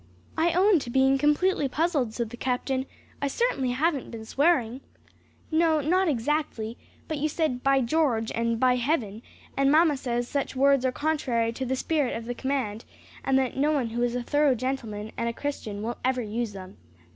"I own to being completely puzzled," said the captain. "I certainly haven't been swearing." "No, not exactly; but you said, 'By George,' and 'By Heaven,' and mamma says such words are contrary to the spirit of the command, and that no one who is a thorough gentleman and Christian will ever use them."